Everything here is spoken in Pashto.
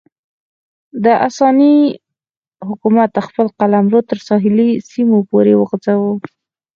د اسانتي حکومت خپل قلمرو تر ساحلي سیمو پورې وغځاوه.